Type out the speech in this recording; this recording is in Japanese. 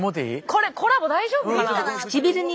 これコラボ大丈夫かなあ？